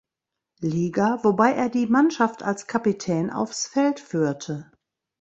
Liga, wobei er die Mannschaft als Kapitän aufs Feld führte.